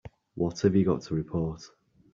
What have you got to report?